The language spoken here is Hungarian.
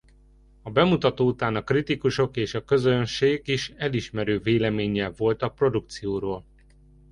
A bemutató után a kritikusok és a közönség is elismerő véleménnyel volt a produkcióról.